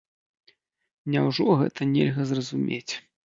Няўжо гэта нельга зразумець.